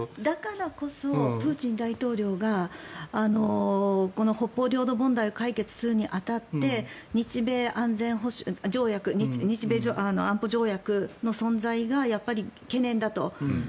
だからこそプーチン大統領がこの北方領土問題を解決するに当たって日米安保条約の存在がやっぱり懸念だと。